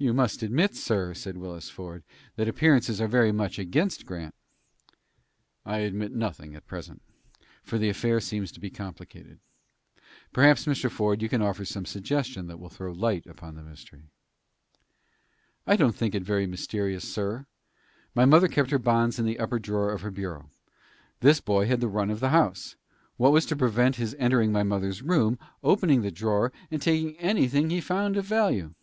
"You must admit, sir," said Willis Ford, "that appearances are very much against Grant." "I admit nothing, at present; for the affair seems to be complicated. Perhaps, Mr. Ford, you can offer some suggestion that will throw light upon the mystery." "I don't think it very mysterious, sir. My mother kept her bonds in the upper drawer of her bureau. This boy had the run of the house. What was to prevent his entering my mother's room, opening the drawer, and taking anything he found of value?"